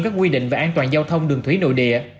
các quy định về an toàn giao thông đường thủy nội địa